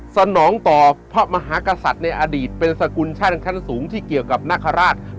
สนองต่อพระมหากษัตริย์ในอดีตเป็นสกุลชั่นขั้นสูงที่เกี่ยวกับนาคาราช